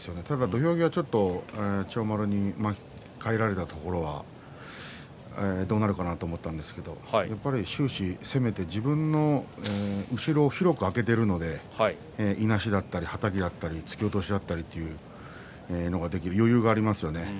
土俵際、ちょっと千代丸に巻き替えられたところはどうなるかなと思ったんですけれど終始攻めて自分の後ろを広く空けているのでいなしだったり、はたきだったり突き落としだったりというのができる余裕がありますよね。